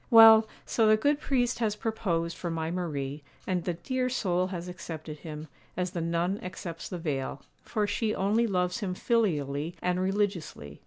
Well, so the good priest has proposed for my Marie, and the dear soul has accepted him, as the nun accepts the veil; for she only loves him filially and religiously.